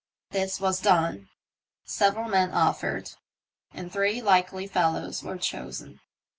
This was done ; several men offered, and three likely fellows were chosen.